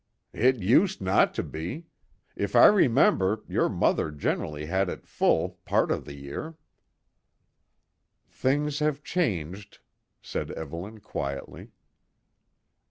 "It used not to be. If I remember, your mother generally had it full part of the year." "Things have changed," said Evelyn quietly.